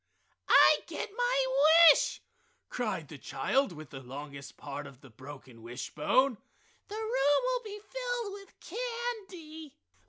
"I get my Wish!" cried the child with the longest part of the broken wishbone, "The room will be filled with candy!"